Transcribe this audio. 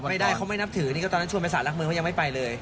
ไม่ได้เขาไม่นับถือนี่ก็ตอนนั้นชวนไปสารหลักเมืองเขายังไม่ไปเลย